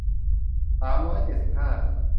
สามร้อยเจ็ดสิบห้า